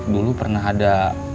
dulu pernah ada